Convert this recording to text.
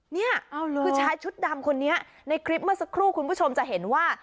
เนี่ยคือชายชุดดำคนนี้ในคลิปเมื่อสักครู่คุณผู้ชมจะเห็นว่า